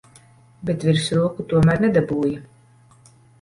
Bet virsroku tomēr nedabūji.